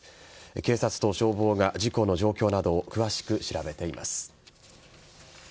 警察と消防が事故の状況などを詳しく調べています。